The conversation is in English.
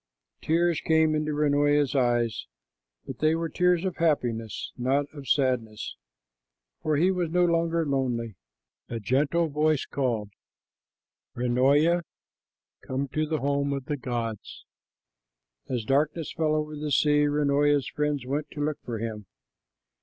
Tears came into Runoia's eyes, but they were tears of happiness, not of sadness, for he was no longer lonely. A gentle voice called, "Runoia, come to the home of the gods." As darkness fell over the sea, Runoia's friends went to look for him.